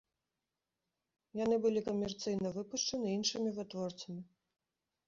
Яны былі камерцыйна выпушчаны іншымі вытворцамі.